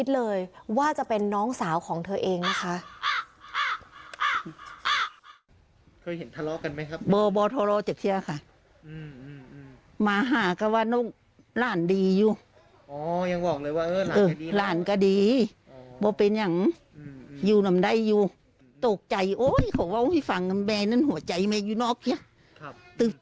ร้านดีอยู่ร้านก็ดีพี่ฟังแม่น้นหัวใจมาอยู่นอกเก็บ